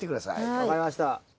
分かりました。